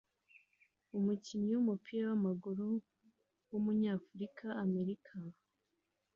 Umukinnyi wumupira wamaguru wumunyafurika-Amerika